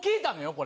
これ。